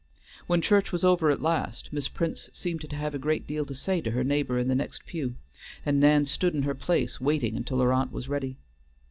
When church was over at last Miss Prince seemed to have a great deal to say to her neighbor in the next pew, and Nan stood in her place waiting until her aunt was ready.